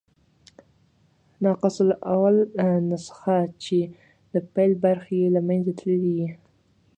ناقص الاول نسخه، چي د پيل برخي ئې له منځه تللي يي.